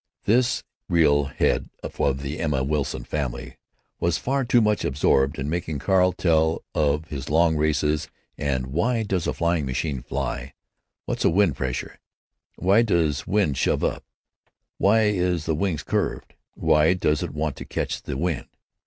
This real head of the Emma Winslow family was far too much absorbed in making Carl tell of his long races, and "Why does a flying machine fly? What's a wind pressure? Why does the wind shove up? Why is the wings curved? Why does it want to catch the wind?"